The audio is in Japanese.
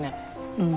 うん。